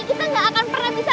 kita gak akan pernah bisa